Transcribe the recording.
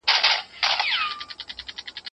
خپل ځان له بدو سوچونو وساتئ.